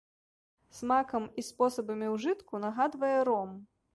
Смакам і спосабамі ўжытку нагадвае ром.